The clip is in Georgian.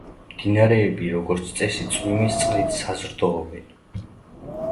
მდინარეები როგორც წესი წვიმის წყლით საზრდოობენ.